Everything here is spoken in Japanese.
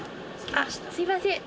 あすいません。